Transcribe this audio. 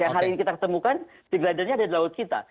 yang hari ini kita ketemukan sea glider nya ada di laut kita